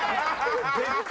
絶対。